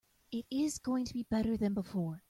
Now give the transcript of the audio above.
It is going to be better than before.